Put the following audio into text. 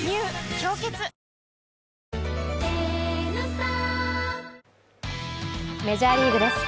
「氷結」メジャーリーグです。